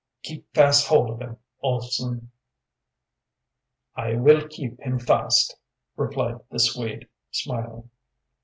Keep fast hold of him, Olfsen." "I will keep him fast," replied the Swede, smiling.